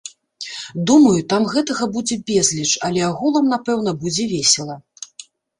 Думаю, там гэтага будзе безліч, але агулам, напэўна, будзе весела.